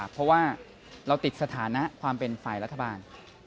เพราะว่าเราติดสถานะความเป็นฝ่ายรัฐบาล